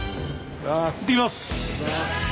いってきます。